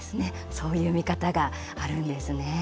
そういう見方があるんですね。